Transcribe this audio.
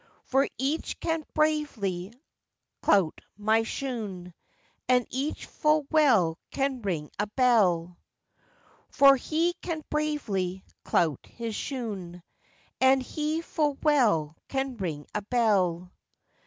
For Ich can bravely clout my shoone, And Ich full well can ring a bell. Cho. For he can bravely clout his shoone, And he full well can ring a bell.